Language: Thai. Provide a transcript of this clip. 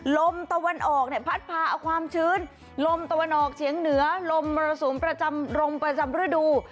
ลมตะวันออกเนี่ยพัดพาเอาความชื้นลมตะวันออกเฉียงเหนือลมมรสุมประจำลมประจำฤดู